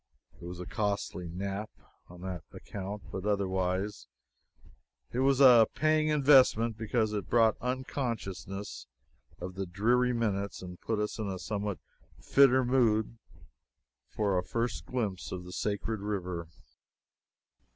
It was a costly nap, on that account, but otherwise it was a paying investment because it brought unconsciousness of the dreary minutes and put us in a somewhat fitter mood for a first glimpse of the sacred river.